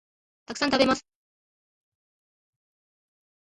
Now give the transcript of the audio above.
たくさん、食べます